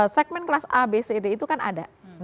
segmen kelas a b c d itu kan ada